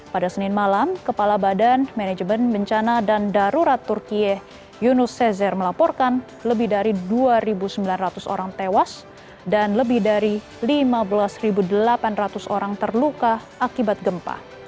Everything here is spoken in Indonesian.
pada senin malam kepala badan manajemen bencana dan darurat turkiye yunus sezer melaporkan lebih dari dua sembilan ratus orang tewas dan lebih dari lima belas delapan ratus orang terluka akibat gempa